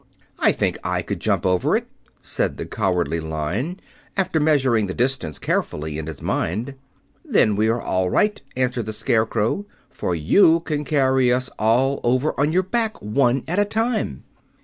"I think I could jump over it," said the Cowardly Lion, after measuring the distance carefully in his mind. "Then we are all right," answered the Scarecrow, "for you can carry us all over on your back, one at a time."